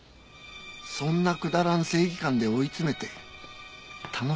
そんなくだらん正義感で追い詰めて楽しいか？